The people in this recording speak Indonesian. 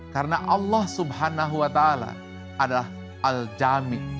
karena allah subhanahu wa ta'ala adalah al jami